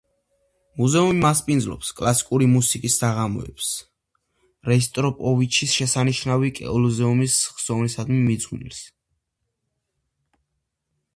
მუზეუმი მასპინძლობს კლასიკური მუსიკის საღამოებს როსტროპოვიჩის შესანიშნავი ცელულოზის ხსოვნისადმი მიძღვნილს.